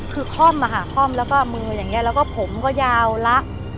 คือคล่อมอะค่ะคล่อมแล้วก็มืออย่างนี้แล้วก็ผมก็ยาวละ